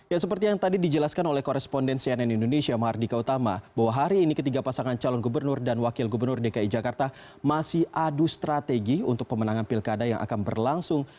ya seperti yang tadi dijelaskan oleh koresponden cnn indonesia mahardika utama bahwa hari ini ketiga pasangan calon gubernur dan wakil gubernur dki jakarta masih adu strategi untuk pemenangan pilkada yang akan berlangsung